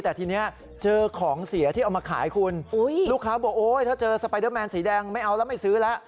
แต่ทีนี้เจอของเสียที่เอามาขายคุณลูกค้าบอกโอ๊ยถ้าเจอสไปเดอร์แมนสีแดงไม่เอาแล้วไม่ซื้อแล้ว